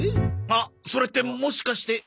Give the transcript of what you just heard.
あっそれってもしかして。